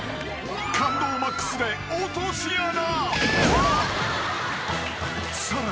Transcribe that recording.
［感動マックスで落とし穴］